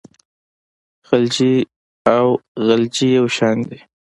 خلجي او غلجي یو شان دي.